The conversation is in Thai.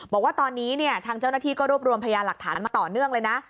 บอกว่าตอนนี้เนี่ยทางเจ้าหน้าที่ก็รวบรวมพยานหลักฐานมาต่อเนื่องเลยนะ